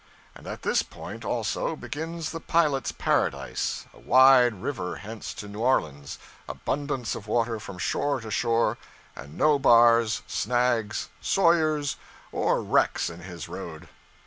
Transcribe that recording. And at this point, also, begins the pilot's paradise: a wide river hence to New Orleans, abundance of water from shore to shore, and no bars, snags, sawyers, or wrecks in his road.